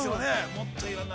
もっといろんな。